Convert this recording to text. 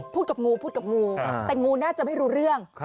กับงูพูดกับงูแต่งูน่าจะไม่รู้เรื่อง